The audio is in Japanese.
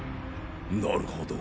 なるほど。